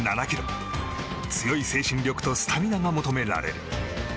強い精神力とスタミナが求められる。